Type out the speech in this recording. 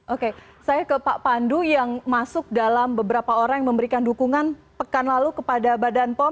oke saya ke pak pandu yang masuk dalam beberapa orang yang memberikan dukungan pekan lalu kepada badan pom